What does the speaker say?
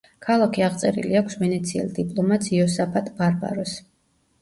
ქალაქი აღწერილი აქვს ვენეციელ დიპლომატს იოსაფატ ბარბაროს.